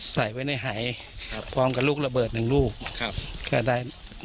ใส่ไว้ในหายครับพร้อมกับลูกระเบิดหนึ่งลูกครับก็ได้